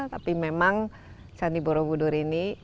tapi memang candi borobudur ini